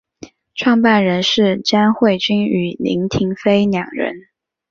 创办人是詹慧君与林庭妃两人。